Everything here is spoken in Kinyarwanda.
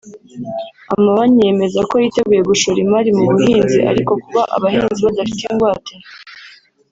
Amabanki yemeza ko yiteguye gushora imari mu buhinzi ariko kuba abahinzi badafite ingwate